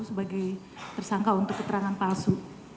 sebagai tersangka untuk keterangan palsu